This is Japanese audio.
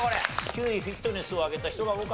９位フィットネスを挙げた人が多かったと。